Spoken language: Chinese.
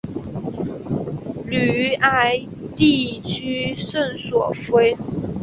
吕埃地区圣索弗。